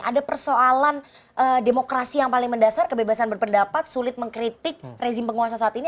ada persoalan demokrasi yang paling mendasar kebebasan berpendapat sulit mengkritik rezim penguasa saat ini